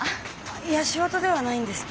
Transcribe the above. いや仕事ではないんですけど。